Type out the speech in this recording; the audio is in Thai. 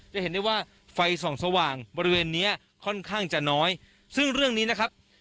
จะเห็นได้ว่าไฟส่องสว่างบริเวณเนี้ยค่อนข้างจะน้อยซึ่งเรื่องนี้นะครับ